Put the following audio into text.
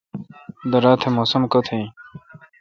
درا تہ موسم کت این